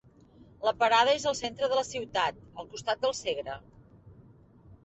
La parada és al centre de la ciutat, al costat del Segre.